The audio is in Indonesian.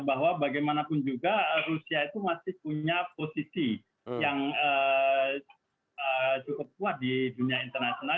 bahwa bagaimanapun juga rusia itu masih punya posisi yang cukup kuat di dunia internasional